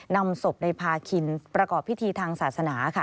นำศพในพาคินประกอบพิธีทางศาสนาค่ะ